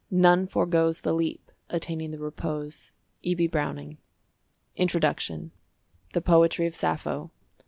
NONE FORGOES THE LEAP, ATTAINING THE REPOSE." E.B. BROWNING. INTRODUCTION THE POETRY OF SAPPHO.